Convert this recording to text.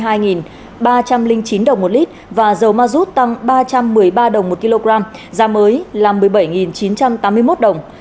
tăng bốn trăm hai mươi đồng lên mức hai mươi hai ba trăm linh chín đồng một lít và dầu ma rút tăng ba trăm một mươi ba đồng một kg giá mới là một mươi bảy chín trăm tám mươi một đồng